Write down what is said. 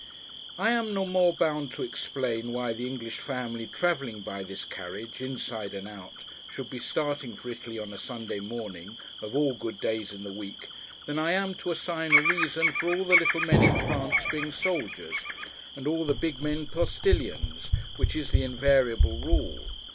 I am no more bound to explain why the English family travelling by this carriage, inside and out, should be starting for Italy on a Sunday morning, of all good days in the week, than I am to assign a reason for all the little men in France being soldiers, and all the big men postilions; which is the invariable rule.